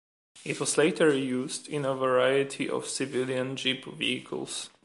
It was later used in a variety of civilian Jeep vehicles.